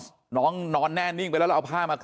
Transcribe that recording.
ลูกสาวหลายครั้งแล้วว่าไม่ได้คุยกับแจ๊บเลยลองฟังนะคะ